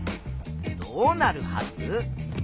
どうなるはず？